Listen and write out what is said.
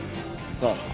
さあ。